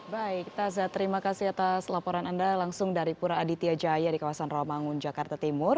baik taza terima kasih atas laporan anda langsung dari pura aditya jaya di kawasan rawamangun jakarta timur